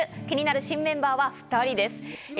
気になる新メンバーは２人です。